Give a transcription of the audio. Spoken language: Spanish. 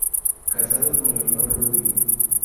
Casado con Leonor Rubio.